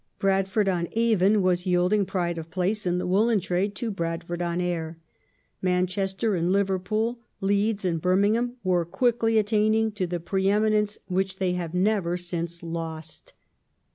Bradford on Avon was yielding pride of place in the woollen trade to Bradford on Aire. Manchester and Liverpool, Leeds and Birmingham were quickly attaining to the pre eminence which they have never since lost.